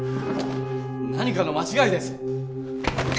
何かの間違いです！